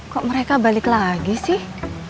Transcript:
kok mereka balik lagi sih